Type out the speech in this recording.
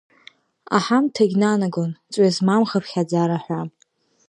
Аҳамҭагь нанагон, ҵҩазмам хыԥхьаӡара ҳәа.